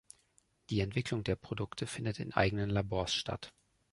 Die Entwicklung der Produkte findet in eigenen Labors statt.